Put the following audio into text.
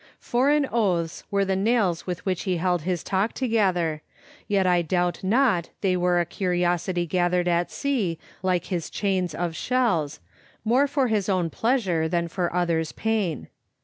Foreign oaths were the nails with which he held his talk together, yet I doubt not they were a curiosity gathered at sea, like his chains of shells, more for his own pleasure than for others' pain.